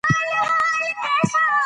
هغوی ته په مينه کيسې وواياست.